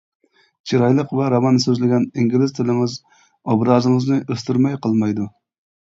چىرايلىق ۋە راۋان سۆزلىگەن ئىنگلىز تىلىڭىز ئوبرازىڭىزنى ئۆستۈرمەي قالمايدۇ.